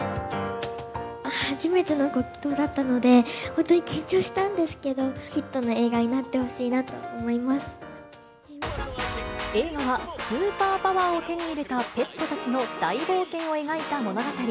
初めてのご祈とうだったので、本当に緊張したんですけど、ヒットの映画になってほしいなと映画は、スーパーパワーを手に入れたペットたちの大冒険を描いた物語。